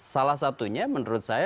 salah satunya menurut saya